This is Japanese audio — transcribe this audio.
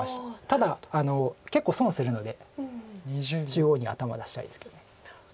ただ結構損するので中央に頭出したいですけど。